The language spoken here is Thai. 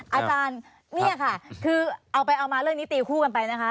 อาจารย์เนี่ยค่ะคือเอาไปเอามาเรื่องนี้ตีคู่กันไปนะคะ